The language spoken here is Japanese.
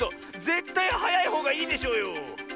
ぜったいはやいほうがいいでしょうよ！